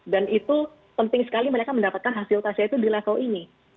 dan itu penting sekali mereka mendapatkan hasil testnya itu di level ini